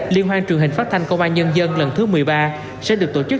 liên hoan truyền hình phát thanh công an nhân dân lần thứ một mươi ba sẽ được tổ chức